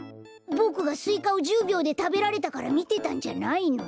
ボクがスイカを１０びょうでたべられたからみてたんじゃないの？